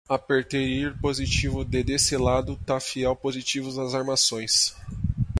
Apertei ir positivo de Decelado ta fiel positivo nas Armações